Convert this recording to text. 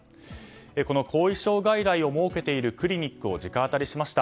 この後遺症外来を設けているクリニックを直アタリしました。